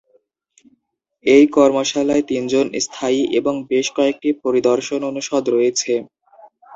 এই কর্মশালায় তিনজন স্থায়ী এবং বেশ কয়েকটি পরিদর্শন অনুষদ রয়েছে।